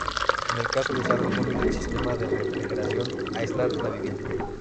En el caso de usar algún sistema de refrigeración, aislar la vivienda.